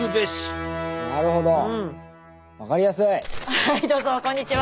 はいどうぞこんにちは。